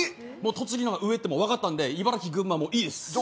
もう栃木のほうが上ってもうわかったんで茨城群馬もういいっす。